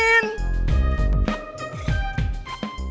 cendol manis dingin